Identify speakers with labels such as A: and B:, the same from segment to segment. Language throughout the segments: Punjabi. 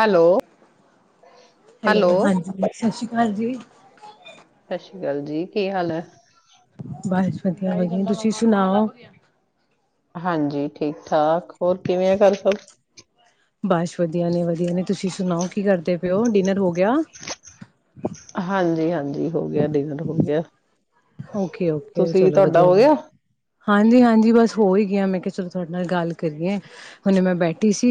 A: Hello hello.
B: ਸਤਿ ਸ਼੍ਰੀ ਹਾਂਜੀ।
A: ਸਤਿ ਸ਼੍ਰੀ ਅਕਾਲ ਜੀ। ਕੀ ਹਾਲ ਹੈ।
B: ਬਸ ਵਧੀਆ ਵਧੀਆ ਤੁਸੀਂ ਸੁਣਾਓ?
A: ਹਾਂਜੀ ਠੀਕ ਠਾਕ ਹੋਰ ਕਿਵੇਂ ਆ ਕਰ ਸਭ।
B: ਬਸ ਵਧੀਆ ਨੇ ਵਧੀਆ ਨੇ ਤੁਸੀਂ ਸੁਣਾਓ ਕੀ ਕਰਦੇ ਪਿਓ ਡਿਨਰ ਹੋ ਗ।
A: ਹਾਂਜੀ ਹਾਂਜੀ ਹੋ ਗਿਆ ਡਿਨਰ ਹੋ ਗਿਆ।
B: ਓਕੇ ਓਕੇ
A: ਤੁਸੀਂ
B: ਚਲੋ
A: ਤੁਹਾਡਾ
B: ਵਧੀਆ
A: ਹੋ
B: ਗੱਲ ਹੈ
A: ਗਿਆ
B: ਹਾਂਜੀ ਹਾਂਜੀ ਬਸ ਹੋ ਹੀ ਗਿਆ ਮੈਂ ਚਲੋ ਤੁਹਾਡੇ ਨਾਲ ਗੱਲ ਕਰੀਏ ਹੁਣੇ ਮੈਂ ਬੈਠ ਟੀ ਸੀ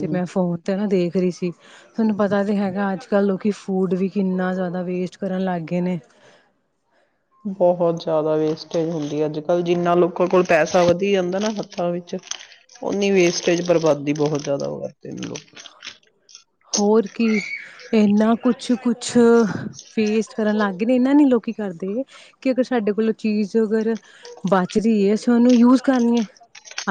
B: ਤੇ ਮੈਂ ਫੋਨ ਤੇ ਨਾ ਦੇਖ ਵਰੀ ਸੀ ਤੁਹਾਨੂੰ ਪਤਾ ਤੇ ਹੈਗਾ ਅੱਜ ਕੱਲ੍ਹ ਲੋਕੀ ਫੂਡ ਵੀ ਕਿੰਨਾ ਜ਼ਿਆਦਾ ਵੇਸਟ ਕਰਨ ਲੱਗ ਗਏ ਨੇ
A: ਬਹੁਤ ਜ਼ਿਆਦਾ ਵੇਸਟੇਜ ਹੁੰਦੀ ਹੈ ਅੱਜ ਕੱਲ੍ਹ ਜਿੰਨਾ ਲੋਕਾਂ ਕੋਲ ਪੈਸਾ ਵਧੀ ਜਾਂਦਾ ਨਾ ਹੱਥਾਂ ਵਿੱਚ ਓਨੀ ਵੇਸਟੇਜ ਬਰਬਾਦੀ ਬਹੁਤ ਜ਼ਿਆਦਾ ਵ ਕਰਦੇ ਨੇ ਲੋਕ।
B: ਹੋਰ ਕੀ ਇਨਾ ਕੁਛ ਕੁਛ ਫੇਸਟ ਕਰਨ ਲੱਗ ਗਏ ਨੇ ਇਹਨਾਂ ਨੀ ਲੋਕੀ ਕਰਦੇ ਕਿ ਅਗਰ ਸਾਡੇ ਕੋਲੋਂ ਚੀਜ਼ ਅਗਰ ਬਚ ਰਹੀ ਹੈ ਅਸੀਂ ਉਹਨੂੰ ਯੂਜ ਕਰ ਲਈਏ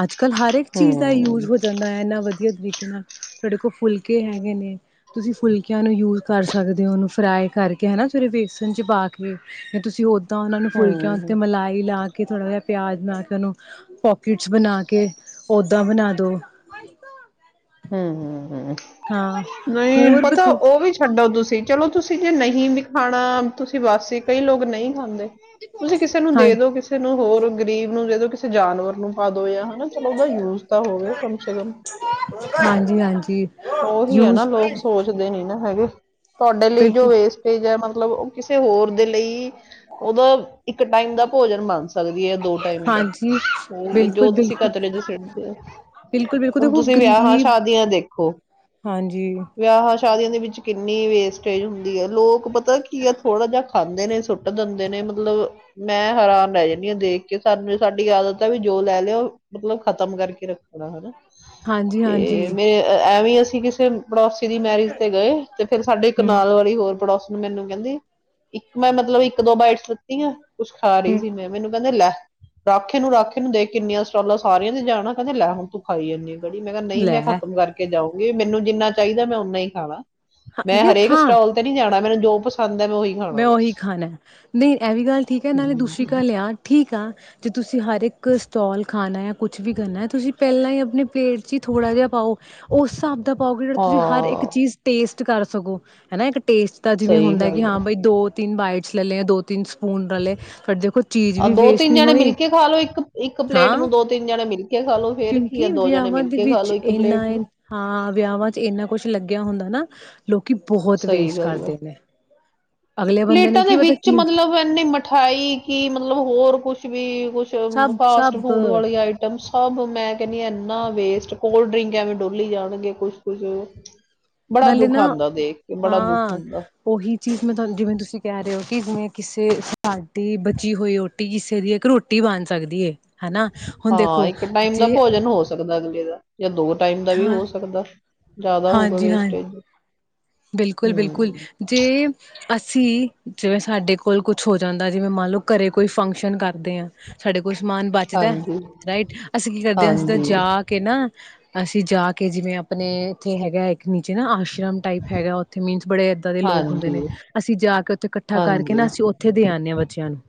B: ਅੱਜ। ਕਲ ਹਰ ਇੱਕ ਚੀਜ਼ ਦਾ
A: ਹਮ
B: ਯੂਜ ਹੋ ਜਾਂਦਾ ਹੈ ਇਨਾ ਵਧੀਆ। ਵਧੀਆ ਤਰੀਕੇ ਨਾਲ। ਤੁਹਾਡੇ ਕੋਲ ਫੁਲਕੇ ਹੈਗੇ ਨੇ ਤੁਸੀਂ ਫੁਲਕੇ ਬੱਚਿਆਂ ਨੂੰ ਯੂਜ ਕਰ ਸਕਦੇ ਹੋ ਉਹਨੂੰ ਫਰਾਈ ਕਰਕੇ ਹੈ ਨਾ ਫਵੇਰੇ ਬੇਸਨ 'ਚ ਪਾ ਕੇ ਤੁਸੀਂ ਉਹ ਤਾਂ ਉਹ ਨੂੰ ਫੁਲਕਿਆਂ
A: ਹਮ
B: ਉੱਤੇ ਮਲਾਈ ਲਾ ਕੇ ਥੋੜ੍ਹਾ ਜਹਾ ਪਿਆਜ਼ ਬਣਾ ਕੇ ਉਹਓਨੂੰ ਪੋਕੀਟਸ ਬਣਾ ਕੇ ਓਦਾਾਂ ਬਣਾ ਦੋ
A: ਹਮ ਹਮ ਹਮ
B: ਹਾਂ
A: ਨਹੀਂ
B: ਹੋਰ
A: ਪਤਾ
B: ਬਥੇ
A: ਉਹ ਵੀ ਛੱਡੋ ਤੁਸੀਂ ਚਲੋ ਤੁਸੀਂ ਜੇ ਨਹੀਂ ਵੀ ਖਾਣਾ ਤੁਸੀਂ ਵਸ ਕਈ ਲੋਕ ਨਹੀਂ ਖਾਂਦੇ ਤੁਸੀਂ ਕਿਸੇ ਨੂੰ ਦੇ
B: ਹਾਂਜੀ
A: ਦੋ ਕਿਸੇ ਨੂੰ ਹੋਰ ਗ਼ਰੀਬ ਨੂੰ ਜਦੋਂ ਕਿਸੇ ਜਾਨਵਰ ਨੂੰ ਪਾ ਹਨਾ ਚਲੋ ਉਹਦਾ ਯੂਜ ਤਾਂ ਹੋਵੇ ਕਮ ਸੇ ਕਮ
B: ਹਾਂਜੀ ਹਾਂਜੀ
A: ਹੋਰ ਹੈ ਨਾ
B: ਯੂਜ
A: ਲੋਕ ਸੋਚਦੇ ਨੀ ਨਾ ਹੈਗੇ ਤੁਹਾਡੇ ਲਈ ਜੋ
B: ਬਿਲਕੁਲ
A: ਵੇਸਟੇਜ ਹੈ, ਮ ਮਤਲਬ ਉਹ ਕਿਸੇ ਹੋਰ ਦੇ ਲਈ ਉਹਦਾ ਇੱਕ ਟਾਈਮ ਦਾ ਭੋਜਨ ਬਣ ਸਕਦੀ ਹੈ ਦੋ ਟਾਈਮ ਦਾ,
B: ਹਾਂਜੀ
A: ਹਰ
B: ਬਿਲਕੁਲ
A: ਜੋ ਤੁਸੀਂ
B: ਬਿਲਕੁਲ
A: ਕਚਰੇ ਚ ਸਿੱਟਦੇ ਹੋ
B: ਬਿਲਕੁਲ ਬਿਲਕੁਲ
A: ਹੁਣ
B: ਦੇਖੋ
A: ਤੁਸੀਂ ਵਿਆਹਾਂ
B: ਗ਼ਰੀਬ
A: ਸ਼ਾਦੀਆਂ ਦੇਖੋ
B: ਹਾਂਜੀ
A: ਵਿਆਹਾਂ ਸ਼ਾਦੀਆਂ ਦੇ ਵਿੱਚ ਕਿੰਨੀ ਵੇਸਟੇਜ ਹੁੰਦੀ ਹੈ। ਲੋਕ ਪਤਾ ਪਤਾ ਕੀ ਹੈ ਥੋੜਾ ਜਿਹਾ ਖਾਂਦੇ ਨੇ ਸੁੱਟ ਦਿੰਦੇ ਨੇ, ਮਤਲਬ ਮੈਂ ਹੈਰਾਨ ਰਹਿ ਜਾਂਦੀ ਹਾਂ ਦੇਖ ਕੇ ਸਾਨੂੰ ਸਾਡੀ ਆਦਤ ਆ ਵੀ ਜੋ ਲੈ ਲਿਆਓ ਮਤਲਬ ਖ਼ਤਮ ਕਰਕੇ ਰੱਖਣਾ ਹਨਾ
B: ਹਾਂਜੀ
A: ਤੇ
B: ਹਾਂਜੀ
A: ਮੇਰੇ ਐਵੇਂ ਅ [unintelligible] ਪੜੋਸੀ ਦੀ ਮੈਰਿਜ ਤੇ ਗਏ ਤੇ ਫੇਰ ਸਾਡੇ ਇਕ
B: ਹਮ
A: ਨਾਲ ਵਾਲੀ ਹੋਰ ਪੜੋਸ ਮੈਨੂੰ ਕਹਿੰਦੀ ਇੱਕ ਮੈਂ ਮਤਲਬ ਇੱਕ ਦੋ ਬਾਈਟਸ ਲਿਤੀ ਕੁਛ ਖਾ ਰਹੀ
B: ਹਮ
A: ਸੀ ਮੈਂ ਮੈਨੂੰ ਕਹਿੰਦਾ ਲੈ ਰੱਖ ਇਨੂੰ ਰਾਖੇ ਇਨੂੰ ਦੇ ਕੇ ਕਿੰਨੀਆਂ ਸਟਾਲਾਂ ਸਾਰੀਆਂ ਦੇ ਜਾਣਾ ਕਹਿੰਦੇ ਲੈ ਹੁਣ ਤੂੰ ਖਾਈ ਜਾਂਦੀੇ ਐ ਖੜੀ ਮੈਂ ਕਿਹਾ ਨਹੀਂ ਮੈਂ
B: ਲੈ
A: ਖਤਮ ਕਰਕੇ ਜਾਓ ਮੈਨੂੰ ਜਿੰਨਾ ਚਾਹੀਦਾ ਮੈਂ ਉਨਾ ਹੀ ਖਾਣਾ ਐ ਮੈਂ
B: ਯਾਰ
A: ਹਰੇਕ
B: ਹਾਂ
A: ਸਟਾਲ ਤੇ ਨਹੀਂ ਜਾਣਾ ਦੋ ਬਸ
B: ਮੈਂ ਉਹੀ ਖਾਣਾ ਨਹੀਂ ਇਹ ਵੀ ਗੱਲ ਠੀਕ ਹੈ ਨਾਲੇ ਦੂਸਰੀ ਕ
A: ਹਮ,
B: ਲਿਆ ਠੀਕ ਆ ਅਤੇ ਤੁਸੀਂ ਹਰ ਇੱਕ ਸਟੋਲ ਖਾਣਾ ਐ ਕੁੱਛ ਵੀ ਕਰਨਾ ਤੁਸੀਂ ਪਹਿਲਾਂ ਹੀ [unintelligible] ਪਲੇਟ ਚ ਹੀ ਥੋੜਾ ਜਿਹਾ ਪਾਓ ਉਸ ਹਿਸਾਬ ਦਾ ਪਾਓਗੇ ਜਿਹੜਾ ਤੁਸੀਂ ਹਰ ਇੱਕ
A: ਹਾਂ
B: ਚੀਜ਼ ਟੇਸਟ ਕਰ ਸਗੋ ਹਨਾ। ਇੱਕ ਟੇਸਟ ਦਾ ਜਿਵੇਂ
A: ਸਹੀ
B: ਹੁੰਦਾ ਕਿ
A: ਗੱਲ
B: ਹਾਂ
A: ਹੈ
B: ਦੋ ਤਿੰਨ ਬਾਈਟਸ ਲੈੇ ਦੋ ਤਿੰਨ ਸਪੂਨ ਲੈ ਲਏ ਪਰ ਦੇਖੋ ਚੀਜ਼
A: ਆ
B: ਵੀ
A: ਦੋ
B: ਵੇਸਟ
A: ਤਿੰਨ
B: ਨਹੀਂ
A: ਜਣੇ
B: ਹੋਈ
A: ਮਿਲਕੇ ਖਾ ਲੋ ਇੱਕ ਇੱਕ ਪਲੇਟ
B: ਹਾਂ
A: ਨੂੰ ਦੋ ਤਿੰਨ ਜਣੇ ਮਿਲਕੇ
B: ਕਿਉਂਕਿ ਵਿਆਹਾਂ ਦੇ ਵਿੱਚ
A: ਇੱਕ
B: ਇਨਾ
A: ਪਲੇਟ ਨੂੰ
B: ਹਾਂ ਵਿਆਹਾਂ ਚ ਇੰਨਾ ਕੁਛ ਲੱਗਿਆ ਹੁੰਦਾ ਨਾ [inaudible] ਲੋਕੀ ਬਹੁਤ
A: ਸਹੀ
B: ਵੇਸਟ
A: ਗੱਲ ਹੈ
B: ਕਰਦੇ ਨੇ ਅਗਲੇ ਬੰਦੇ ਨੇ
A: ਪਲੇਟਾਂ ਦੇ
B: ਕੀ ਪਤਾ
A: ਵਿੱਚ
B: ਕੀ
A: ਮਤਲਬ ਇੰਨੀ ਮਿਠਾਈ ਕੀ ਮਤਲਬ ਹੋਰ ਕੁਛ ਵੀ ਕੁਛ
B: ਸਭ
A: ਫਾਸਟ
B: ਸਭ
A: ਫੂਡ ਵਾਲੀ ਆਈਟਮਸ ਸਭ ਮੈਂ ਕਹਿੰ ਹ ਇੰਨਾ ਵੇਸਟ ਕੋਲ ਡਰਿੰਕ ਐਵੇਂ ਡੋਲੀ ਜਾਣਗੇ ਕੁਛ ਕੁਛ ਬੜਾ
B: ਨਾਲੇ
A: ਦੁੱਖ
B: ਨਾ
A: ਆਉਂਦਾ ਦੇਖ ਕੇ ਬੜਾ ਦੁੱਖ
B: ਹਾਂ
A: ਹੁੰਦਾ
B: ਉਹੀ ਚੀਜ਼ ਮੈਂ ਤੁ ਜਿਵੇਂ ਤੁਸੀਂ ਕਹਿ ਰਹੇ ਹੋ ਕਿ ਜਿਵੇਂ ਕਿਸੇ ਸਾਡੀ ਬਚੀ ਹੋਈ ਰੋਟੀ ਕਿਸੇ ਦੀ ਇੱਕ ਰੋਟੀ ਬਣ ਸਕਦੀ ਹੈ ਹਨਾ ਹੁਣ ਦੇਖੋ ਜੇ
A: ਲਦਾ ਜਾਂ ਦੋ ਟਾਈਮ ਦਾ ਵੀ
B: ਹਾਂ
A: ਹੋ ਸਕਦਾ ਜ਼ਿਆਦਾ ਹੋਗਾ ਵੇਸਟੇਜ
B: ਬਿਲਕੁਲ ਬਿਲਕੁਲ
A: ਹਮ
B: ਜੇ ਅਸੀਂ ਜਿਵੇਂ ਸਾਡੇ ਕੋਲ ਕੁਛ ਹੋ ਜਾਂਦਾ ਜਿਵੇਂ ਮੰਨ ਲਓ ਘਰੇ ਕੋਈ ਫੰਕਸ਼ਨ ਕਰਦੇ ਹਾਂ ਸਾਡੇ ਕੋਲ ਕੋ ਸਮਾਨ ਬਚਦਾ
A: ਹਾਂਜੀ
B: ਰਾਈਟ ਅਸੀਂ ਕੀ ਕਰਦੇ ਹਾਂ ਜਿੱਦਾਂ
A: ਹਾਂਜੀ
B: ਜਾ ਕੇ ਨਾ ਅਸੀਂ ਜਾ ਕੇ ਜਿਵੇਂ ਆਪਣੇ ਇੱਥੇ ਹੈਗਾ ਇੱਕ ਨੀਚੇ ਨਾ ਆਸ਼ਰਮ ਟਾਈਪ ਹੈਗਾ ਉੱਥੇ ਮੀਨਸ ਬੜੇ ਏਦਾਂ ਦੇ ਲੋਕ ਹੁੰਦੇ
A: ਹਾਂਜੀ
B: ਨੇ ਅਸੀਂ ਜਾ ਕੇ ਇਕੱਠਾ ਕਰਕੇ ਨਾ
A: ਹਾਂਜੀ
B: ਅਸੀਂ ਉੱਥੇ ਦੇ ਆਉਦੇ ਹਾਂ ਬੱਚਿਆਂ ਨੂੰ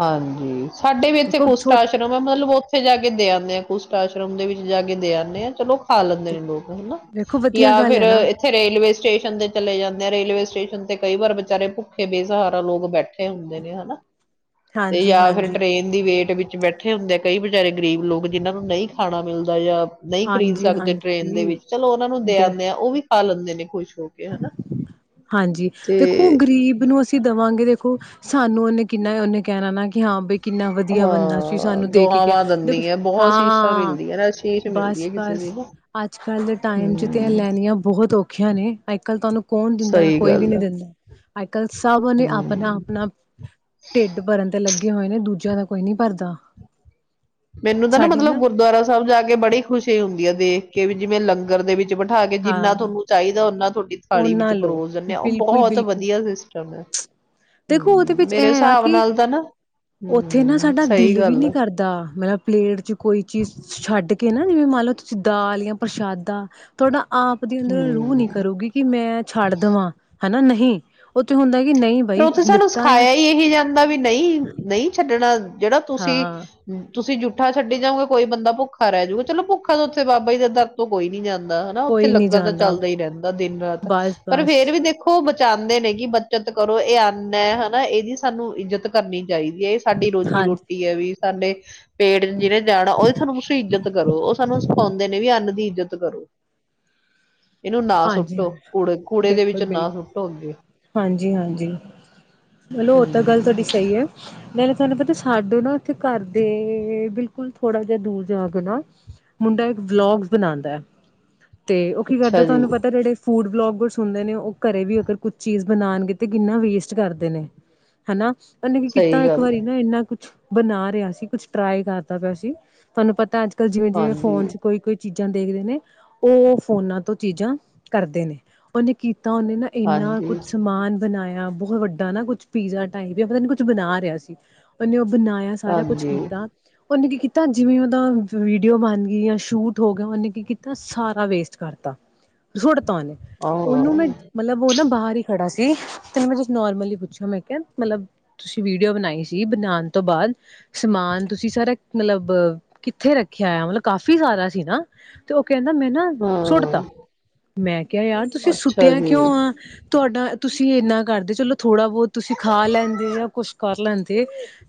A: ਹਾਂਜੀ ਸਾਡੇ ਵੀ ਇੱਥੇ
B: ਦੇਖੋ
A: ਕੁਸ਼ਟ
B: ਛੋ
A: ਆਸ਼ਰਮ ਹੈ ਮਤਲਬ ਉੱਥੇ ਜਾ ਕੇ ਦ ਆਉਂਦੇ ਆ ਕੁਸ਼ਟ ਆਸ਼ਰਮ ਦੇ ਵਿੱਚ ਜਾ ਕੇ ਦੇਦੇ ਆਾਂ ਚਲੋ ਖਾ ਲੈਂਦੇ ਨੇ ਲੋਕ ਹਨਾ
B: ਦੇਖੋ ਵਧੀਆ
A: ਜਾਂ
B: ਗੱਲ
A: ਫਿਰ
B: ਹੈ ਨਾ
A: ਇੱਥੇ ਰੇਲਵੇ ਸਟੇਸ਼ਨ ਤੇ ਚਲੇ ਜਾਂਦੇ ਆ ਰੇਲਵੇ ਸਟੇਸ਼ਨ ਤੇ ਕਈ ਵਾਰ ਵਿਚਾਰੇ ਭੁੱਖੇ ਬੇਸਹਾਰਾ ਲੋਕ ਬੈਠੇ ਹੁੰਦੇ ਨੇ ਹਨਾ ਤੇ ਜਾਂ ਫਿਰ
B: ਹਾਂਜੀ-ਹਾਂਜੀ,
A: ਟ੍ਰਰੇਨ ਦੀ ਵੇਟ ਵਿੱਚ ਬੈਠੇ ਹੁੰਦੇ ਆ ਕਈ ਵਿਚਾਰੇ ਗਰੀਬ ਲੋਕ ਜਿਹਨਾਂ ਨੂੰ ਨਹੀਂ ਖਾਣਾ ਮਿਲਦਾ ਜਾਂ ਨਹੀਂ ਖਰੀਦ ਸਕਦੇ ਟ੍ਰੇਨ ਦੇ ਵਿੱਚ
B: ਹਾਂਜੀ-ਹਾਂਜੀ
A: ਚਲੋ ਉਹਨਾਂ ਨੂੰ ਦੇ ਆਂਦੇ ਆ ਉਹ ਵੀ ਖਾ ਲੈਂਦੇ ਨੇ ਕੁਸ਼
B: ਹਾਂਜੀ ਦੇਖੋ ਗ਼ਰੀਬ ਨੂੰ ਅਸੀਂ ਦੇਵਾਂਗੇ ੋ ਸਾਨੂੰ ਉਹਨੇ ਕਿੰਨਾ ਉਹਨੇ ਕਹਿਣਾ ਨਾ ਕਿ ਹਾਂ ਬ ਕਿੰਨਾ ਵਧੀਆ ਬਣਦਾ ਸੀ
A: ਹਾਂ
B: ਸਾਨੂੰ ਦੇਖ ਕੇ
A: ਦੁਆਵਾਂ
B: ਦੇਖੋ
A: ਦਿੰਦੀ ਹੈ ਬਹੁਤ ਸ਼ੀਸ਼ਾ
B: ਹਾਂ
A: ਮਿਲਦੀ ਹੈ ਨਾ ਸ਼ੀਸ਼ ਮਿਲਦੀ
B: ਬਸ
A: ਹੈ ਕਿਸੇ
B: ਬਸ
A: ਦੀ ਨਾ
B: ਅੱਜ ਕੱਲ ਦੇ ਟਾਈਮ ਚ ਧ
A: ਹੂੰ,
B: ਲੈਣੀਆਂ ਬਹੁਤ ਔਖੀਆਂ ਨੇ ਤੁਹਾਨੂੰ ਕੌਣ ਦਿੰਦਾ ਹੈ
A: ਸਹੀ
B: ਕੋਈ ਵੀ
A: ਗੱਲ
B: ਨੀ
A: ਆ,
B: ਦਿੰਦਾ ਅੱਜ ਕੱਲ੍ਹ ਸਭ ਉਹਨੇ ਆਪਣਾ
A: ਹੂੰ।
B: ਆਪਣਾ ਢਿੱਡ ਭਰਨ ਤੇ ਲੱਗੇ ਹੋਏ ਨੇ ਦੂਜਿਆਂ ਦਾ ਕੋਈ ਨੀ ਭਰਦਾ
A: ਮੈਨੂੰ ਤਾਂ ਨਾ ਮਤਲਬ, ਗੁਰਦੁਆਰਾ ਸਾਹਿਬ ਜਾ ਕੇ ਬੜੀ ਖੁਸ਼ੀ ਹੁੰਦੀ ਹੈ। ਦੇ ਕੇ ਜਿਵੇਂ ਲੰਗਰ ਦੇ ਵਿੱਚ ਬਿਠਾ ਕੇ,
B: ਹਾਂ
A: ਜਿੰਨਾ ਤੁਹਾਨੂੰ ਚਾਹੀਦਾ ਉਹਨਾ ਤੁਹਾਡੀ ਥਾਲੀ ਵਿੱਚ
B: ਉਹਨਾਂ ਲਓ
A: ਪਰੋਸ ਦਿਨੇ ਆ, ਉਹ
B: ਬਿਲਕੁਲ
A: ਬਹੁਤ
B: ਬਿਲਕੁਲ
A: ਵਧੀਆ ਸਿਸਟਮ ਹੈ।
B: ਦੇਖੋ ਉਹਦੇ ਵਿੱਚ ਇਹ ਆ ਕਿ,
A: ਨਾਲ ਤਾਂ ਨਾ
B: ਉੱਥੇ ਨਾ
A: ਹੂੰ,
B: ਸਾਡਾ
A: ਸਹੀ
B: ਦਿਲ ਵੀ
A: ਗੱਲ
B: ਨੀ
A: ਆ।
B: ਕਰਦਾ ਮਤਲਬ ਪਲੇਟ ਚ ਕੋਈ ਚੀਜ਼ ਛੱਡ ਕੇ ਨਾ, ਜਿਵੇਂ ਮੰਨ ਲਓ ਤੁਸੀਂ ਦਾਲ ਜਾਂ ਪ੍ਰਸ਼ਾਦਾ ਤੁਹਾਡਾ ਆਪ ਦੀ ਅੰਦਰ ਰੂਹ ਨਹੀਂ
A: ਹੂੰ।
B: ਕਰੇਗੀ ਕਿ, ਮੈਂ ਛੱਡ ਦੇਵਾਂ ਹਨਾ ਨਹੀਂ ਨਹੀਂ, ਉੱਥੇ ਹੁੰਦਾ ਕਿ ਨਹੀਂ
A: ਫਿਰ
B: ਬਾਈ
A: ਉੱਥੇ ਸਾਨੂੰ
B: ਲਿੱਤਾ ਆ
A: ਸਿਖਾਇਆ ਹੀ ਇਹੀ ਜਾਂਦਾ, ਵੀ ਨਹੀਂ ਨਹੀਂ ਛੱਡਣਾ। ਜਿਹੜਾ ਤੁਸੀਂ
B: ਹਾਂ
A: ਤੁਸੀਂ ਜੂਠਾ ਛੱਡੀ ਜਾਓਗੇ, ਕੋਈ ਬੰਦਾ ਭੁੱਖਾ ਰਹਿ ਜੂਗਾ, ਚਲੋ ਭੁੱਖਾ ਤੋਂ ਉੱਥੇ ਬਾਬਾ ਜ ਦੇ ਦਰ ਤੋਂ ਕੋਈ ਨੀ ਜਾਂਦਾ। ਹਨਾ ਉੱਥੇ
B: ਕੋਈ ਨਹੀਂ
A: ਲੰਗਰ ਤਾਂ
B: ਜਾਂਦਾ
A: ਚੱਲਦਾ ਹੀ ਰਹਿੰਦਾ, ਦਿਨ -ਰਾਤ
B: ਬਸ
A: ਪਰ
B: ਬਸ
A: ਫੇਰ ਵੀ ਦੇਖੋ ਚਾਹੁੰਦੇ ਨੇ ਕਿ ਬੱਚਤ [inaudible] ਕਰੋ ਇਹ ਅੰਨ ਐ ਹਨਾ, ਇਹਦੀ ਸਾਨੂੰ ਇੱਜਤ ਕਰਨੀ ਚਾਹੀਦੀ ਹੈ, ਸਾਡੀ ਰੋਜ਼ੀ-
B: ਹਾਂਜੀ
A: ਰੋਟੀ ਹੈ, ਵੀ ਸਾਡੇ ਪੇਟ ਜਿਹਨੇ ਜਾਣਾ ਉਹਦੀ ਸਾਨੂੰ ਤੁਸੀਂ ਇੱਜਤ ਕਰੋ ਉਹ ਸਾਨੂੰ ਸਿਖਾਉਂਦੇ ਨੇ ਵੀ ਅੰਨ ਦੀ ਇੱਜ਼ਤ ਕਰੋ [unintelligible] ਇਹਨੂੰ ਨਾ
B: ਹਾਂਜੀ
A: ਸੁੱਟੋ, ਕੂੜੇ ਕੂੜੇ ਦੇ
B: ਬਿਲਕੁਲ
A: ਵਿੱਚ ਨਾ
B: ਬਿਲਕੁਲ
A: ਸੁੱਟੋ ਅੱਗੇ।
B: ਹਾਂਜੀ ਹਾਂਜੀ, ਮਲੋ ਓ ਤਾਂ ਗੱਲ ਤੁਹਾਡੀ
A: ਹਮ
B: ਸਹੀ ਹੈ। ਮ ਤੁਹਾਨੂੰ ਪਤਾ ਸਾਡੇ ਨਾ ਓਥੇ ਘਰ ਦੇ, ਬਿਲਕੁਲ ਥੋੜਾ ਜਿਹਾ ਦੂਰ ਜਾ ਕੇ ਨਾ, ਮੁੰਡਾ ਇੱਕ ਵਲੋਗ ਬਣਾਉਂਦੈ ਤੇ ਉਹ ਕੀ ਕਰਦਾ
A: ਅੱਛਾ ਜੀ
B: ਤੁਹਾਨੂੰ ਪਤਾ ਜਹੜੇ ਫੂਡ ਬਲੋਗਸ ਹੁੰਦੇ ਨੇ ਉਹ [inaudible] ਕਰੇ ਵੀ ਅਗਰ ਕੁਛ ਚੀਜ਼ [inaudible] ਬਣਾਉਣਗੇ ਤੇ, ਕਿੰਨਾ ਵੇਸਟ ਕਰਦੇ ਨੇ ਹਨਾ। ਉਹਨੇ ਕੀ ਕੀਤਾ,
A: ਸਹੀ
B: ਇੱਕ
A: ਗੱਲ
B: ਵਾਰੀ
A: ਹੈ
B: ਨਾ ਇੰਨਾ ਕੁਛ ਬਣਾ ਰਿਹਾ ਸੀ ਕੁਛ, ਟਰਾਈ ਕਰਦਾ ਪਿਆ ਸੀ, ਤੁਹਾਨੂੰ ਪਤਾ ਅੱਜ ਜਿਵੇਂ -ਜਿਵੇਂ
A: ਹਾਂਜੀ
B: ਫੋਨ ਚ, ਕੋਈ ਕੋਈ ਚੀਜ਼ਾਂ ਦੇਖਦੇ ਨੇ, ਉਹ ਫੋਨਾਂ ਤੋਂ ਚੀਜ਼ਾਂ, ਕਰਦੇ ਨੇ, ਉਹਨੇ ਕੀ ਤਾਂ ਉਹਨੇ ਨਾ, ਇੰਨਾ ਕੁਛ
A: ਹਾਂਜੀ
B: ਸਮਾਨ ਬਨਾਇਆ। ਬਹੁਤ ਵੱਡਾ ਨਾ ਕੁੱਛ, ਪੀਜ਼ਾ ਟਾਈਪ ਪਤਾ ਨੀ ਕੁਝ ਬਣਾ ਰਿਹਾ ਸੀ, ਉਹਨੇ ਬਣਾਇਆ ਸਾਰਾ ਕੁਛ
A: ਹਾਂਜੀ
B: ਕੀਤਾ ਉਹਨੇ ਕੀ ਕੀਤਾ ਜਿਵੇਂ ਉਹਦਾ ਵੀਡੀਓ ਬਣ ਗਈ ਜਾਂ ਸ਼ੂਟ ਹੋ ਗਿਆ ਉਹਨੇ ਕੀ ਕੀਤਾ ਸਾਰਾ ਵੇਸਟ ਕਰਤਾ [inaudible] ਨੇ
A: ਹਾਂ
B: ਉਹਨੂੰ ਮੈਂ ਮਤਲਬ ਉਹ ਨਾ ਬਾਹਰ ਹੀ ਖੜਾ ਸੀ ਤੇਨ ਮੈਂ ਜ ਨੋਰਮਲੀ ਪੁੱਛਿਆ ਮੈਂ ਕਿਹਾ ਮਤਲਬ ਤੁਸੀਂ ਵੀਡੀਓ ਬਣਾਈ ਸੀ ਬਣਾਉਣ ਤੋਂ ਬਾਅਦ ਸਮਾਨ ਤੁਸੀਂ ਸਾਰਾ ਮਤਲਬ ਕਿੱਥੇ ਰੱਖਿਆ ਆ ਮਤਲਬ ਕਾਫੀ ਸਾਰਾ ਸੀ ਨਾ ਤੇ ਉਹ ਕਹਿੰਦਾ ਮੈਂ ਨਾ ਸੁੱਟ
A: ਹਾਂ
B: ਤ ਮੈਂ ਕਿਹਾ ਯਾਰ ਤੁਸੀਂ
A: ਅੱਛਾ
B: ਸੁੱਟਿਆ
A: ਜੀ
B: ਕਿਉਂ ਆ ਤੁਹਾਡਾ ਤੁਸੀਂ ਇਨਾ ਕਰਦੇ ਚਲੋ ਥੋੜਾ ਬਹੁਤ ਤੁਸੀਂ ਖਾ ਲੈਂਦੇ ਜਾਂ ਕੁਛ ਕਰ ਲੈਂਦੇ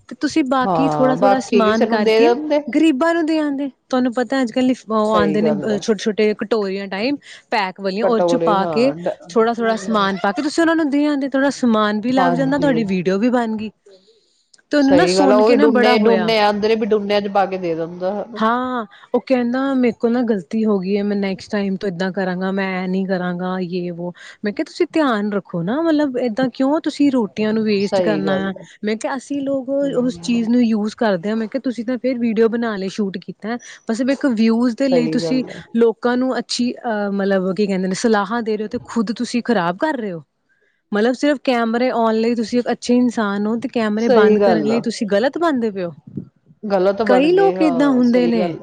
B: ਤੇ ਤੁਸੀਂ ਬਾਕੀ ਥੋੜਾ
A: ਹਾਂ
B: ਥੋੜਾ
A: ਬਾਕੀ
B: ਸਮਾਨ
A: ਕਿਸੇ ਨੂੰ ਦੇ
B: ਕਰਕੇ
A: ਦਿੰਦੇ
B: ਗ਼ਰੀਬਾਂ ਨੂੰ ਦਿਆਂ ਤੁਹਾਨੂੰ ਪਤਾ ਅੱ ਲਈ ਉਹ
A: ਸਹੀ
B: ਆਉਂਦੇ ਨੇ
A: ਗੱਲ ਹੈ
B: ਛੋਟੇ ਛੋਟੇ ਸਟੋਰੀਆਂ ਟਾਈਮ [inaudible] ਪੈਕ ਵਾਲੀਆਂ ਉਹਦੇ ਚ
A: ਕਟੋਰੇ
B: ਪਾ ਕੇ
A: ਹਾਂ ਡ-
B: ਥੋੜਾ ਥੋੜਾ
A: ਹਮ,
B: ਸਮਾਨ ਪਾ ਕੇ ਤੁਸੀਂ ਉਹਨਾਂ ਨੂੰ ਧ ਆਂ ਥੋੜਾ ਸਮਾਨ ਵੀ ਲੱਗ ਜਾਂਦਾ ਤੁਹਾਡੀ
A: ਹਾਂਜੀ
B: ਵੀਡੀਓ ਵੀ ਬਣ ਗਈ ਤੇ ਉਹਨੂੰ ਨਾ
A: ਸਹੀ ਗੱਲ ਆ
B: ਸੁਣ ਕੇ
A: ਉਹੀ
B: ਨਾ ਬੜਾ
A: ਡੂਨੇ
B: ਹੋਇਆ
A: ਡੂਨੇ ਆਂਦੇ ਵੀ ਡੂਨਿਆਂ ਚ ਪਾ ਕੇ ਦੇ ਦਿੰਦਾ ਹਨਾ
B: ਹਾਂ ਉਹ ਕਹਿੰਦਾ ਮੇਰੇ ਕੋਲ ਨਾ ਗ਼ਲਤੀ ਹੋ ਗਈ ਹੈ ਮੈਂ ਨੈਕਸਟ ਟਾਈਮ ਏਦਾਂ ਕਰਾਂਗਾ ਮੈਂ ਇਹ ਨੀ ਕਰਾਂਗਾ ਯੇ ਵੋ ਮੈਂ ਕਿਹਾ ਤੁਸੀਂ ਧਿਆਨ ਰੱਖੋ ਨਾ ਮਤਲਬ ਏਦਾਂ ਕਿਉਂ ਤੁਸੀਂ ਰੋਟੀ ਨੂੰ ਵੇਸਟ
A: ਸਹੀ
B: ਕਰਨਾ
A: ਗੱਲ
B: ਆ
A: ਹੈ
B: ਮੈਂ ਕਿਹਾ ਅਸੀਂ ਲੋਕ ਉਸ
A: ਹਮ
B: ਚੀਜ਼ ਨੂੰ ਯੂਜ ਕਰਦਿਆਂ ਮੈਂ ਕਿਹਾ ਤੁਸੀਂ ਤਾਂ ਫੇਰ ਵੀਡੀਓ ਬਣਾ ਲੈ ਸ਼ੂਟ ਕੀਤਾ ਬਸ ਵਿਊਜ ਦੇ ਲਈ
A: ਸਹੀ ਗੱਲ
B: ਤੁਸੀਂ
A: ਹੈ
B: ਲੋਕਾਂ ਨੂੰ ਅੀ ਅਹ ਮਤਲਬ ਕੀ ਕਹਿੰਦੇ ਨੇ ਸੁਲਾਹ ਦੇ ਰਹੇ ਹੋ ਤੇ ਖੁਦ ਤੁਸੀਂ ਖਰਾਬ ਕਰ ਰਹੇ ਹੋ ਮਤਲਬ ਸਿਰਫ ਕੈਮਰੇ ਆਉਣ ਲਈ ਤੁਸੀਂ ਇੱਕ ਅੱਛੇ ਇਨਸਾਨ ਹੋ ਕੈਮਰੇ ਬੰਦ
A: ਸਹੀ
B: ਕਰਨ
A: ਗੱਲ ਆ
B: ਲਈ ਤੁਸੀਂ ਗ਼ਲਤ ਬੰਦ ਪਓ
A: ਗਲਤ ਬਣ
B: ਕਈ
A: ਗਏ
B: ਲੋਕ ਏਦਾਂ
A: ਹਾਂ
B: ਹੁੰਦੇ
A: ਸਹੀ
B: ਨੇ
A: ਗੱਲ ਹੈ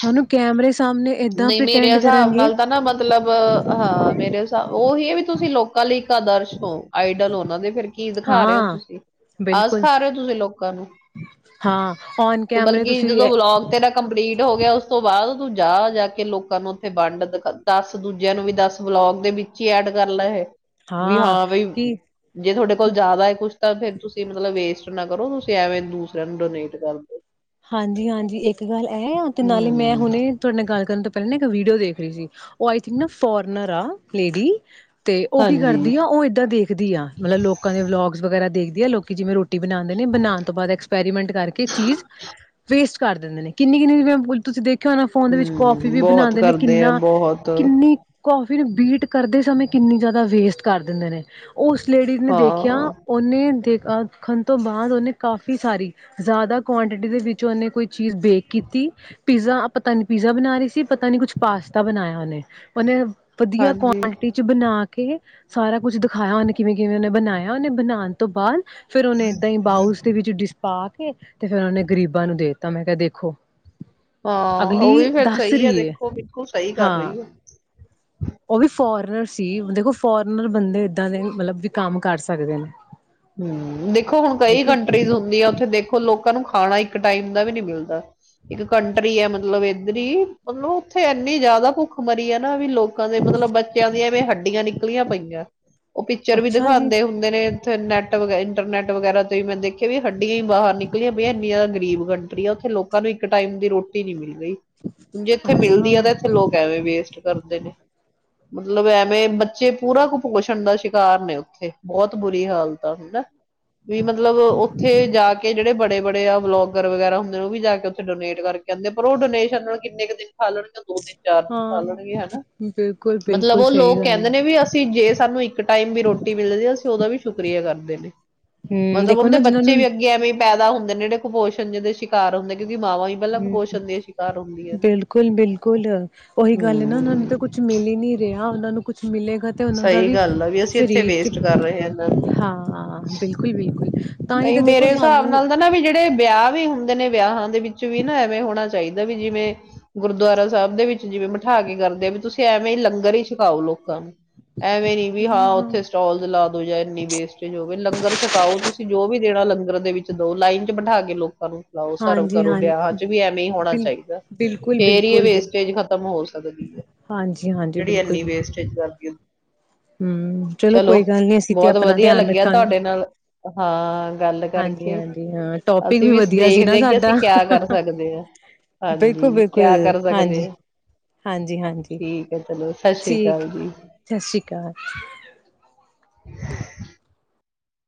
B: ਸਾਨੂੰ ਕੈਮਰੇ ਸਾਹਮਣੇ ਏਦਾਂ
A: ਨਹੀਂ ਮੇਰੇ
B: ਪ੍ਰਟੈਂਡ
A: ਹਿਸਾਬ
B: ਕਰਨਗੇ
A: ਨਾਲ ਤਾਂ ਨਾ ਮਤਲਬ ਹਾਂ ਮੇਰੇ ਹਿਸਾਬ ਨਾਲ ਉਹੀ ਹੈ ਵੀ ਤੁਸੀਂ ਲੋਕਾਂ ਲਈ ਆਦਰਸ਼ ਹੋ ਆਈਡਲ ਉਹਨਾਂ ਦੇ ਫਿਰ ਕੀ ਦਿਖਾ ਰਹੇ ਹੋ
B: ਹਾਂ
A: ਤੁਸੀਂ ਆਹ
B: ਬਿਲਕੁਲ
A: ਸਿਖਾ ਰਹੇ ਹੋ ਤੁਸੀਂ ਲੋਕਾਂ ਨੂੰ
B: ਹਾਂ ਔਨ
A: ਤੂੰ
B: ਕੈਮਰੇ
A: ਬਲਕਿ
B: ਤੁਸੀਂ
A: ਜਦੋਂ ਵਲੋਗ ਤੇਰਾ ਕੰਪਲੀਟ ਹੋ ਗਿਆ ਉਸ ਤੋਂ ਬਾਅਦ ਤੂੰ ਜਾ ਜਾ ਕੇ ਲੋਕਾਂ ਨੂੰ ਉੱਥੇ ਵੰਡ ਦੱਸ ਦੂਜਿਆਂ ਨੂੰ ਵੀ ਦਸ ਬਲੋਗ ਦੇ ਵਿੱਚ ਹੀ ਐਡ ਕਰ ਲੈ ਇਹ ਵੀ ਹਾਂ ਬਈ ਜੇ ਤੁਹਾਡੇ ਕੋਲ ਜ਼ਿਆਦਾ ਹੈ ਕੁਛ ਤਾਂ ਫੇਿਰ ਤੁਸੀਂ ਮਤਲਬ ਵੇਸਟ ਨਾ ਕਰੋ ਤੁਸੀਂ ਐਵੇਂ ਦੂਸਰਿਆਂ ਨੂੰ ਡੋਨੇਟ ਕਰ ਦਿਓ
B: ਹਾਂਜੀ ਹਾਂਜੀ ਇੱਕ ਗੱਲ ਐ ਤੇ ਨਾਲ ਹੀ ਮੈਂ
A: ਹੂੰ
B: ਹੁਣੇ ਤੁਹਾਡੇ ਨਾਲ ਗੱਲ ਕਰਨ ਤੋਂ ਪਹਿ ਇੱਕ ਵੀਡੀਓ ਦੇਖ ਰਹੀ ਸੀ ਉਹ ਆਈ ਥਿੰਕ ਨਾ ਫੋਰਨਰ ਆ ਲੇਡੀ ਤੇ ਉਹ ਕੀ
A: ਹਾਂਜੀ
B: ਕਰਦੀ ਆ ਉਹ ਇਏਦਾਂ ਦੇਖਦੀ ਆ ਮਤਲਬ ਲੋਕਾਂ ਦੇ ਵਲੋਗਸ ਵਗੈਰਾ ਦੇਖਦੀ ਲੋਕ ਜਿਵੇਂ ਰੋਟੀ ਰਟੀ ਬਣਾਉਂਦੇ ਨੇ ਬਣਾਉਣ ਤੋਂਅਦ ਐਕਸਪੈਰੀਮੈਂਟ ਕਰਕੇ ਚੀਜ਼ ਕਰ ਦਦੇ ਨੇ ਕਿੰਨੀ ਕਿੰਨੀ ਤੁਸੀਂ ਦੇਖ ਣਾ ਫੋਨ ਦੇ ਵਿੱਚ ਕੌਫੀ
A: ਹੂੰ
B: ਵੀ
A: ਬਹੁਤ
B: ਬਣਾਉਂਦੇ ਨੇ
A: ਕਰਦੇ ਆ
B: ਕਿੰਨਾ
A: ਬਹੁਤ
B: ਕਿੰਨੀ ਕਫੀ ਫਨ ਬੀਟ ਕਰਦੇ ਸਮੇਂ ਕਿੰਨੀ ਜ਼ਿਆਦਾ ਵੇਸਟ ਕਰ ਦਿੰਦੇ ਨੇ ਉਸ ਲੇਡੀ ਨੇ ਦੇਖਿਆ
A: ਹਾਂ,
B: ਉਹਨੇ ਦੇਖ ਖੰਣ ਤੋਂ ਬਾਅਦ ਉਹਨੇ ਕਾਫ਼ੀ ਸਾਰੀ ਜ਼ਿਆਦਾ ਕੁਆਂਟਿਟੀ ਦੇ ਵਿੱਚ ਉਹਨੇ ਕੋਈ ਚੀਜ਼ ਬੇਕ ਕੀਤੀ ਪੀਜ਼ਾ ਪਤਾ ਨੀ ਪੀਜ਼ਾ ਬਣਾ ਰਹੀ ਸੀ ਪਤਾ ਨੀ ਕੁਛ ਪਾਸਤਾ ਬਣਾਇਆ ਉਹਨੇ ਉਹਨੇ ਵਧੀਆ
A: ਹਾਂਜੀ।
B: ਕੁਆਂਟਿਟੀ ਚ ਬਣਾ ਕੇ ਕੇ ਸਾਰਾ ਕੁਝ ਦਿਖਾਇਆ ਉਹਨੇ ਕਿਵੇਂ ਕਿਵੇਂ ਉਹਨੇ ਬਣਾਇਆ ਉਹਨੇ ਬਣਾਉਣ ਤੋਂ ਬਾਅਦ ਫੇਿਰ ਉਹਨੇ ਏਦਾਂ ਹੀ ਬਾਊਸ ਦੇ ਵਿੱਚ ਡਿਸਪਾਕ ਕੀ ਤੇ ਫਿਰ ਉਹਨਾਂ ਨੇ ਗਰੀਬਾਂ ਨੂੰ ਦੇ ਦਿੱਤਾ ਮੈਂ ਕਿਹਾ ਦੇਖੋ
A: ਹਾਂ ਉਹ
B: ਅਗਲੀ
A: ਵੀ ਫੇਿਰ
B: ਦੱਸ
A: ਸਹੀ ਆ
B: ਰਹੀ ਹੈ
A: ਦੇਖੋ ਵਖੋ ਸਹੀ ਕਰ
B: ਹਾਂ
A: ਰਹੀ ਆ
B: ਉਹ ਵੀ ਫੋਰਨਰ ਸੀ ਦੇਖੋ ਫੋਰਨਰ ਬੰਦੇ ਏਦਾਂ ਦੇ ਮਤਲਬ ਵੀ ਕੰਮ ਕਰ ਸਕਦੇ ਨੇ
A: ਹਮ ਦੇਖੋ ਹੁਣ ਕਈ
B: ਦੇਖੋ
A: ਕੰਟਰੀਜ਼ ਹੁੰਦੀਆਂ ਉੱਥੇ ਦੇਖੋ ਲੋਕਾਂ ਨੂੰ ਖਾਣਾ ਇੱਕ ਟਾਈਮ ਦਾ ਵੀ ਨੀ ਮਿਲਦਾ ਇੱਕ ਕੰਟਰੀ ਹੈ ਮਤਲਬ ਇਏਧਰ ਮਤਲਬ ਉੱਥੇ ਇਨੀ ਜ਼ਿਆਦਾ ਭੁੱਖ ਮਰੀ ਹੈ ਨਾ ਵੀ ਲੋਕਾਂ ਦੇ ਮਤਲਬ ਬੱਚਿਆਂ ਦੀਆਂ ਐਵੇਂ ਹੱਡੀਆਂ ਨਿਕਲੀਆਂ ਪਈਆਂ ਉਹ ਪਿਕਚਰ ਵੀ
B: ਅੱਛਾ ਜੀ
A: ਦਿਖਾਉਂਦੇ ਹੁੰਦੇ ਨੇ ਉੱਥੇ ਨੈੱਟ ਵਗੈ ਇੰਟਰਨੈੱਟ ਵਗੈਰਾ ਤੋਂਤੇ ਮੈਂ ਦੇਖਿਆ ਵੀ ਹੱਡੀਆਂ ਹੀ ਬਾਹਰ ਨਿਕਲੀਆਂ ਪਈਆਂ ਇੰਨੀ ਜ਼ਿਆਦਾ ਗਰੀਬ ਕੰਟਰੀ ਆ ਉੱਥੇ ਲੋਕਾਂ ਨੂੰ ਇੱਕ ਟਾਈਮ ਦੀ ਰੋਟੀ ਨਹੀਂ ਮਿਲੀ ਹੁਣ ਜੇ ਇੱਥੇ ਮਿਲਦੀ ਆ
B: ਅੱਛਾ
A: ਤਾਂ ਇੱਥੇ ਲੋਕ ਐਵੇਂ ਵੇਸਟ ਕਰਦੇ ਨੇ ਮਤਲਬ ਐਵੇਂ ਬੱਚੇ ਪੂਰਾ ਕੁਪਪੋਸ਼ਣ ਦਾ ਸ਼ਿਕਾਰ ਨੇ ਉੱਥੇ ਬਹੁਤ ਬੁਰੀ ਹਾਲਤ ਹੁੰਦਾ ਵੀ ਮਤਲਬ ਉੱਥੇ ਜਾ ਕੇ ਜਿਹੜੇ ਬੜੇ ਬੜੇ ਜਿਹੜੇ ਆਹਾ ਲੋਗਰ ਵਗੈਰਾ ਹੁੰਦੇ ਨੇ ਉਹ ਵੀ ਜਾ ਕੇ ਉੱਥੇ ਡੋਨਟ ਕਰਕੇ ਆਂਦੇ ਪਰ ਉਹ ਡੋਨੇਸ਼ਨ ਕਿੰਨੇ ਕੁ ਦਿਨ ਖਾ ਲੈਣਗੇ ਦੋ, ਤਿੰਨ, ਚਾਰ ਦਿਨ
B: ਹਾਂ,
A: ਖਾਲੈਣਗੇ ਹੈ। ਮਤਲਬ
B: ਬਿਲਕੁਲ-ਬਿਲਕੁਲ
A: ਉਹ
B: ਸਹੀ
A: ਲੋਕ
B: ਗੱਲ
A: ਕਹਿੰਦੇ
B: ਹੈ।
A: ਨੇ ਵੀ ਅਸੀਂ ਜੇ ਸਾਨੂੰ ਇੱਕ ਟਾਈਮ ਵੀ ਰੋਟੀ ਮਿਲਦੀ ਅਸੀਂ ਉਹਦਾ ਵੀ ਸ਼ੁਕਰ ਚੁਗਲੀਆਂ ਕਰਦੇ ਨੇ
B: ਹੂੰ,
A: ਮਤਲਬ
B: ਦੇਖੋ
A: ਉਹਦੇ
B: ਨਾ ਜਿਹਨਾਂ
A: ਬੱਚੇ
B: ਨੂੰ
A: ਵੀ ਅੱਗੇ ਐਵੇਂ ਪੈਦਾ ਹੁੰਦੇ ਨੇ ਜਿਹੜੇ ਕੁਪੋਸ਼ ਜੀ ਦੇ ਸ਼ਿਕਾਰ ਹੁੰਦੇ ਨੇ,
B: ਹਮ
A: ਨੇ।
B: ਬਿਲਕੁਲ- ਬਿਲਕੁਲ ਉਹੀ ਗੱਲ ਨਾ ਉਹਨਾਂ ਨੂੰ
A: ਹੂੰ
B: ਤਾਂ ਕੁਛ ਮਿਲ ਹੀ ਨੀ ਰਿਹਾ ਉਹਨਾਂ ਨੂੰ ਕੁਛ ਮਿਲੇਗਾ ਤੇ ਉਹਨਾਂ ਦਾ
A: ਸਹੀ
B: ਵੀ
A: ਗੱਲ ਆ ਅਸੀਂ ਇੱਥੇ
B: ਸਰੀਰ ਚ
A: ਵੇਸਟ ਕਰ ਰਹੇ ਹਾਂ ਇਹਨਾਂ ਨੂੰ।
B: ਹਾਂ ਬਿਲਕੁਲ ਬਿਲ
A: ਨਹੀਂ ਮੇਰੇ ਹਿਸਾਬ ਨਾਲ ਤਾਂ ਨਾ ਵੀ ਜਿਹੜੇ ਵਿਆਹ ਵੀ ਹੁੰ ਨੇ ਵਿਆਹ ਹਨ। ਦੇ ਵਿੱਚ ਵੀ ਨਾ ਐਵੇਂ ਹੋਣਾ ਚਾਹੀਦਾ ਵੀ ਜਿਵੇਂ ਗੁਰਦੁਆਰਾ ਸਾਹਿਬ ਦੇ ਵਿੱਚ ਜਿਵੇਂ ਬਠਾ ਕੇ ਕਰਦੇ ਵੀ ਤੁਸੀਂ ਐਵੇਂ ਹੀ ਲੰਗਰ ਹੀ ਛਕਾਓ ਲੋਕਾਂ ਨੂੰ। ਐਵੇਂ ਨੀ ਵੀ ਹਾਂ
B: ਹਾਂ-ਹਾਂ,
A: ਉੱਥੇ ਸਟੋਲਸ ਲਾ ਦੋ ਜਾਂ ਇੰਨੀ ਵੇਸਟੇਜ ਹੋਵੇ ਲੰਗਰ ਛਕਾਓ ਤੁ ਜੋ ਵੀ ਦੇਣਾ ਲੰਗਰ ਦੇ ਵਿੱਚ ਦੋ ਲਾਈਨ ਚ ਬਿਠਾ ਕੇ ਲੋਕਾਂ ਨੂੰ। ਲਓ ਸਰਵ ਕਰੋ
B: ਹਾਂਜੀ-ਹਾਂ,
A: ਵਿਆਹਾਂ ਚ ਵੀ ਐਵੇਂ ਹੀ ਹੋਣਾ
B: ਬਿਲ
A: ਚਾਹੀਦਾ ਫੇਰ ਹੀ ਇਹ ਵੇਸਟੇਜ
B: ਬਿਲਕੁਲ-ਬਿਲਕੁਲ-ਬਿਲਕੁਲ,
A: ਖਤਮ ਹੋ
B: ਹਾਂਜੀ-ਹਾਂਜੀ,
A: ਜਿਹੜੀ ਇੰਨੀ ਵੇਸਟੇਜ [unintelligible]
B: ਹਮ ਚਲੋ ਕੋਈ ਗੱਲ ਨੀ ਅਸੀਂ ਤੇ
A: ਬਹੁਤ
B: ਆਪਣਾ
A: ਵਧੀਆ
B: ਧਿਆਨ
A: ਲੱਗਿਆ
B: ਰੱਖਾਂਗੇ।
A: ਤੁਹਾਡੇ ਨਾਲ ਹਾਂ ਗੱਲ ਕਰਕੇ
B: ਹਾਂਜੀ-ਹਾਂਜੀ, ਹਾਂ ਟੋਪਿਕ
A: ਅਸੀਂ ਵੀ
B: ਵਧੀਆ ਸੀ ਨਾ
A: ਦੇਖਦੇ ਹਾਂ ਕਿ ਅਸੀਂ ਕਿਆ
B: ਸਾਡਾ
A: ਕਰ ਸਕਦੇ ਹਾਂ, ਹਾਂਜੀ ਕਿਆ
B: ਬਿਲਕੁਲ-ਬਿਲਕੁਲ,
A: ਕਰ ਸਕਦੇ
B: ਹਾਂਜੀ,
A: ਹਾਂ
B: ਹਾਂਜੀ-ਹਾਂਜੀ
A: ਠੀਕ ਹੈ ਚਲੋ ਸਤਿ ਸ੍ਰੀ
B: ਠੀਕ,
A: ਅਕਾਲ ਜੀ।
B: [unintelligible]